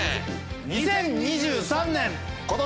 ２０２３年。